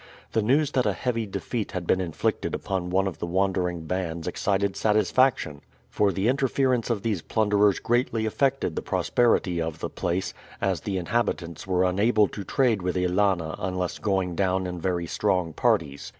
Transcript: The news that a heavy defeat had been inflicted upon one of the wandering bands excited satisfaction, for the interference of these plunderers greatly affected the prosperity of the place, as the inhabitants were unable to trade with Ælana unless going down in very strong parties.